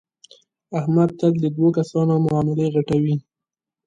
احمد تل د دو کسانو معاملې غټوي.